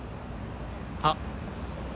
あっ。